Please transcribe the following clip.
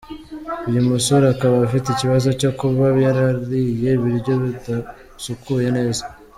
Uyu musore akaba afite ikibazo cyo kuba yarariye ibiryo bidasukuye neza.